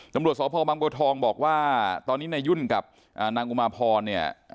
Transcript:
ตำรวจสพบังโบทองบอกว่าตอนนี้นายยุ่นกับนางอุมาพรเนี่ย